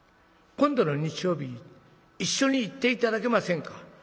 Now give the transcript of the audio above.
今度の日曜日一緒に行って頂けませんか？